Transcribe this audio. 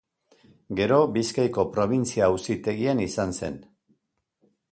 Gero Bizkaiko Probintzia-Auzitegian izan zen.